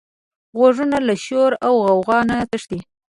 غوږونه له شور او غوغا نه تښتي